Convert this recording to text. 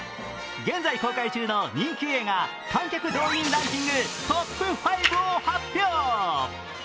現在公開中の人気映画観客動員ランキングトップ５を発表